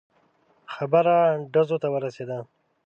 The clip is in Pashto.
خبره ډزو ته ورسېده.